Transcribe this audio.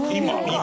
今？